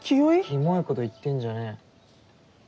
キモいこと言ってんじゃねぇ。